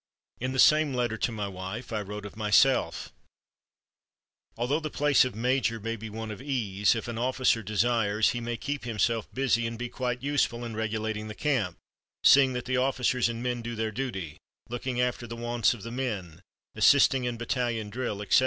In the same letter to my wife, I wrote of myself: "Although the place of major may be one of ease, if an officer desires he may keep himself busy and be quite useful in regulating the camp, seeing that the officers and men do their duty, looking after the wants of the men, assisting in battalion drill, etc.